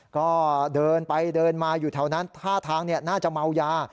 ก็เดินไปเดินมาอยู่แถวนั้นท่าทางน่าจะเมายา